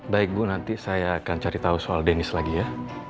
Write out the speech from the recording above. baik bu nanti saya akan cari tahu soal denis lagi ya